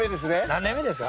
何年目ですか？